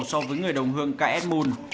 so với người đồng hương ks moon